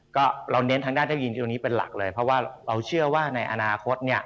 ก็เราเน้นทางด้านเทคโนโลยีตรงนี้เป็นหลักเลยเพราะว่าเราเชื่อว่าในอนาคตเนี่ย